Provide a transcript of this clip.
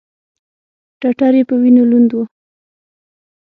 ټټر یې په وینو لوند و.